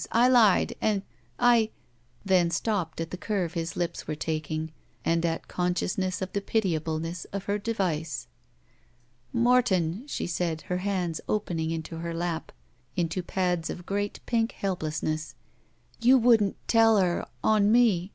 I lied! I —" then stopped, at the curve his lips were taking and at conscious ness of the pitiableness of her device. "Morton," she said, her hands opening into her lap into pads of great pink helplessness, "you wouldn't tell her — on me!